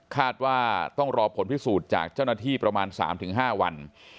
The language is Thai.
คาดว่าต้องรอผลพิสูจน์จากเจ้าหน้าที่ประมาณ๓๕วัน